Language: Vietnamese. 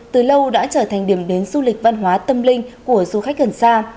từ lâu đã trở thành điểm đến du lịch văn hóa tâm linh của du khách gần xa